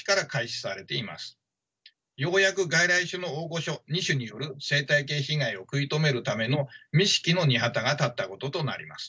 ようやく外来種の大御所２種による生態系被害を食い止めるための錦の御旗が立ったこととなります。